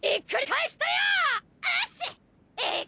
えっ？